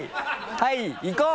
はいいこう！